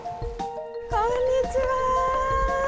こんにちは！